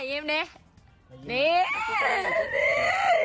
ยิ้มดิแม่ยิ้มดิ